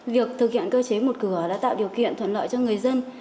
việc thực hiện cơ chế một cửa đã tạo điều kiện thuận lợi cho người dân